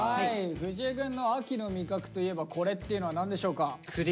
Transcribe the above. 藤井くんの「秋の味覚といえばコレ」っていうのは何でしょうか。